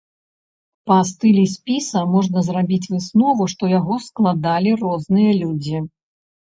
Па стылі спіса можна зрабіць выснову, што яго складалі розныя людзі.